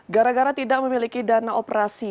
gara gara tidak memiliki dana operasi